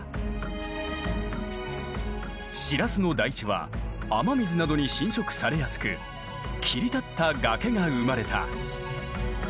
シラスの台地は雨水などに浸食されやすく切り立った崖が生まれた。